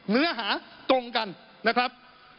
เนื้อหาตรงกันนะครับ